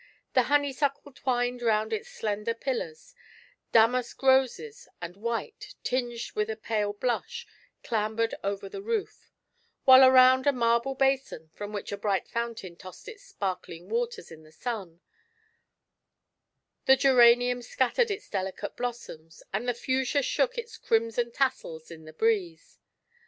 The honeysuckle twined round its slender pillars; damask roses and white, tinged with a pale blush, clambered over the roof; while around a marble basin, from which a bright fountain tossed its sparkling waters in the sun, the geranium scattered its delicate blossoms, and the fuchsia shook its crimson tassels in the breeze.